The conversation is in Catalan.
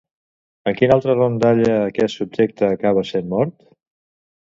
En quina altra rondalla aquest subjecte acaba sent mort?